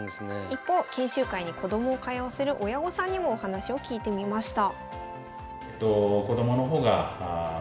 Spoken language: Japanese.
一方研修会にこどもを通わせる親御さんにもお話を聞いてみました。